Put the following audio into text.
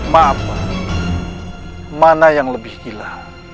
maaf mana yang lebih gila